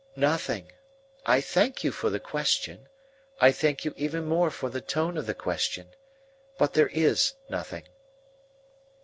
"Nothing. I thank you for the question. I thank you even more for the tone of the question. But there is nothing."